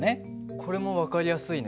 これも分かりやすいね。